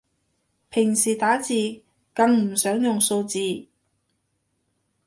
平時打字更唔想用數字